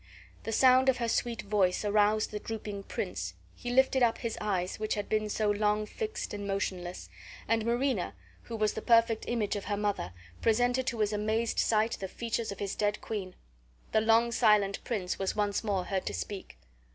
The sound of her sweet voice aroused the drooping prince; he lifted up his eyes, which had been so long fixed and motionless; and Marina, who was the perfect image of her mother, presented to his amazed sight the features of his dead queen. The long silent prince was once more heard to speak.